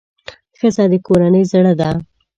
ښځه د کورنۍ زړه ده.